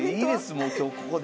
もう今日ここで。